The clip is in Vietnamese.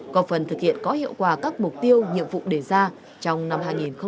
có phần thực hiện có hiệu quả các mục tiêu nhiệm vụ đề ra trong năm hai nghìn hai mươi